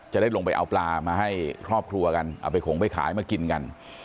จะได้ลงไปเอาปลามาให้ครอบครัวกันเอาไปขงไปขายมากินกัน